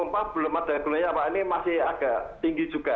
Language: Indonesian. kalau dipompa kita masih agak tinggi juga